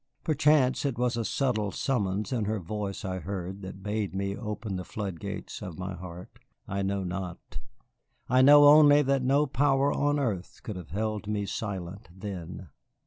Perchance it was a subtle summons in her voice I heard that bade me open the flood gates of my heart, I know not. I know only that no power on earth could have held me silent then.